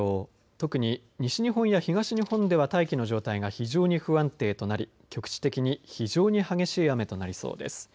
特に西日本や東日本では大気の状態が非常に不安定となり局地的に非常に激しい雨となりそうです。